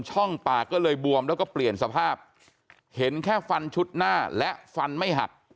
ช่องปากก็เลยบวมแล้วก็เปลี่ยนสภาพเห็นแค่ฟันชุดหน้าและฟันไม่หัก